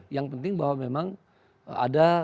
yang penting bahwa memang ada